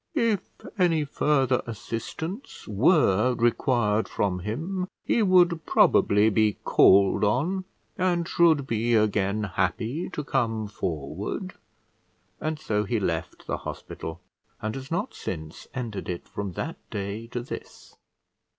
If any further assistance were required from him, he would probably be called on, and should be again happy to come forward. And so he left the hospital, and has not since entered it from that day to this.